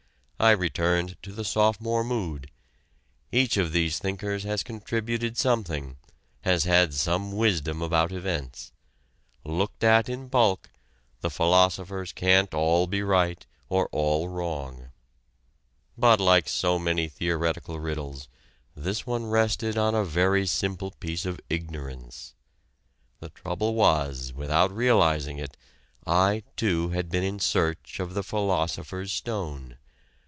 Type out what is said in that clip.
I returned to the sophomore mood: "Each of these thinkers has contributed something, has had some wisdom about events. Looked at in bulk the philosophers can't all be right or all wrong." But like so many theoretical riddles, this one rested on a very simple piece of ignorance. The trouble was that without realizing it I too had been in search of the philosopher's stone.